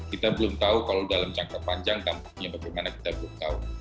kita belum tahu kalau dalam jangka panjang tampaknya bagaimana kita belum tahu